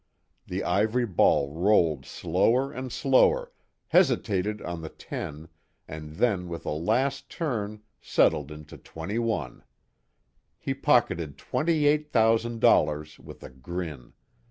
The ivory ball rolled slower and slower, hesitated on the 10 and then with a last turn settled into 21. He pocketed twenty eight thousand dollars with a grin.